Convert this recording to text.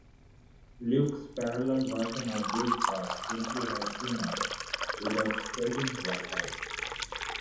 Luke's parallel version of this verse simply has sinners, without stating what type.